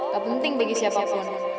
ga penting bagi siapa pun